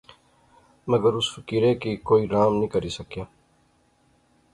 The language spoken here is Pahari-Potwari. مگر اس فقیرے کی کوئی رام نی کری سکیا